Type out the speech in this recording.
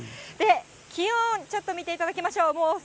気温ちょっと見ていただきましょう。